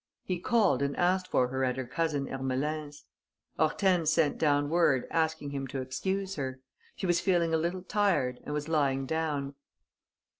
He called and asked for her at her cousin Ermelin's. Hortense sent down word asking him to excuse her: she was feeling a little tired and was lying down.